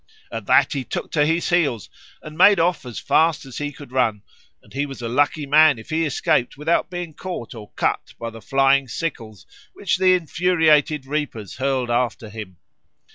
On that he took to his heels and made off as fast as he could run, and he was a lucky man if he escaped without being caught or cut by the flying sickles which the infuriated reapers hurled after him.